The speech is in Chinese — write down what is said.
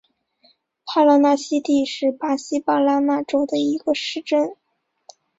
帕拉纳西蒂是巴西巴拉那州的一个市镇。